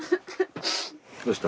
どうした？